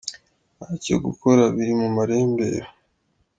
Ntacyo gukora biri mu marembera.